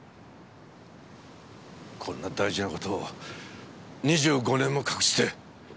こんな大事な事を２５年も隠して。